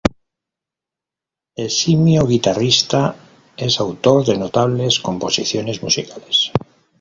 Eximio guitarrista, es autor de notables composiciones musicales.